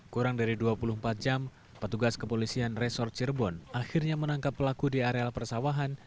kurang dari dua puluh empat jam petugas kepolisian resort cirebon akhirnya menangkap pelaku di areal persawahan